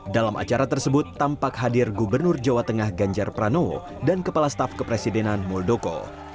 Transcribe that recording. dalam acara tersebut tampak hadir gubernur jawa tengah ganjar pranowo dan kepala staf kepresidenan muldoko